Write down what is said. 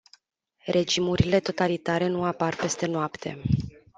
Regimurile totalitare nu apar peste noapte.